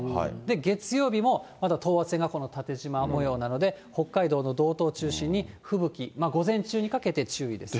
月曜日も等圧線がこの縦じま模様なので、北海道の道東を中心に吹雪、午前中にかけて注意ですね。